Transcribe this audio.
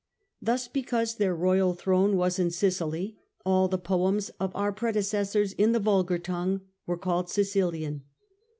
Thus, because their royal throne was in Sicily, all the poems of our predecessors in the vulgar tongue were called Sicilian."